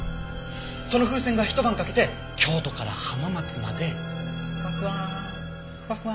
その風船がひと晩かけて京都から浜松までふわふわふわふわ。